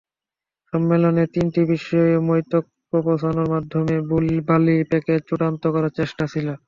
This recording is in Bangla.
সম্মেলনে তিনটি বিষয়ে মতৈক্যে পৌঁছানোর মাধ্যমে বালি প্যাকেজ চূড়ান্ত করার চেষ্টা ছিল।